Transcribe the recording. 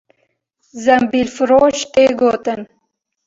Zembîlfiroş tê gotin